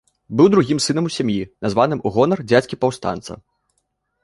Быў другім сынам у сям'і, названым у гонар дзядзькі-паўстанца.